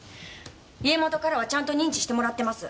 家元からはちゃんと認知してもらってます！